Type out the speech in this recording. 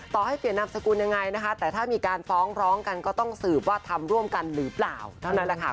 ให้เปลี่ยนนามสกุลยังไงนะคะแต่ถ้ามีการฟ้องร้องกันก็ต้องสืบว่าทำร่วมกันหรือเปล่าเท่านั้นแหละค่ะ